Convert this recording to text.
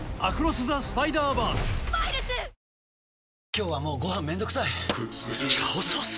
今日はもうご飯めんどくさい「炒ソース」！？